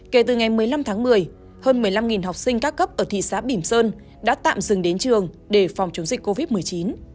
kể từ ngày một mươi năm tháng một mươi hơn một mươi năm học sinh các cấp ở thị xã bỉm sơn đã tạm dừng đến trường để phòng chống dịch covid một mươi chín